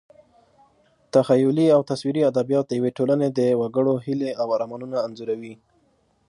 تخیلي او تصویري ادبیات د یوې ټولنې د وګړو هیلې او ارمانونه انځوروي.